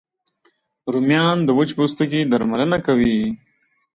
رومیان د وچ پوستکي درملنه کوي